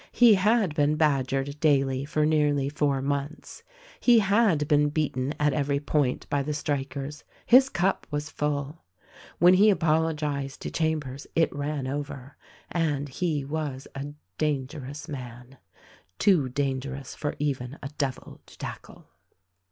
He had been badgered daily for nearly four months. He had been beaten at every point by the strikers ; his cup was full. When he apologized to Chambers it ran over — and he was a dangerous man. Too dangerous for even a devil to tackle.